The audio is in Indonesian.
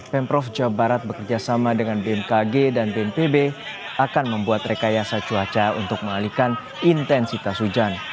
pemprov jawa barat bekerjasama dengan bmkg dan bnpb akan membuat rekayasa cuaca untuk mengalihkan intensitas hujan